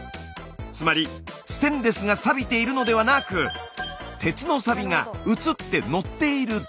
つまりステンレスがサビているのではなく鉄のサビがうつってのっているだけ。